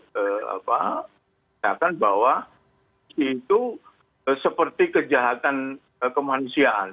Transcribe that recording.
sepakat bahwa itu seperti kejahatan kemanusiaan